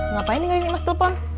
ngapain dengerin imas telfon